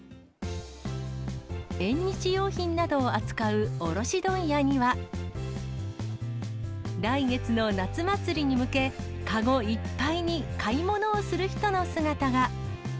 縁日用品などを扱う卸問屋には、来月の夏祭りに向け、籠いっぱいに買い物をする人の姿が。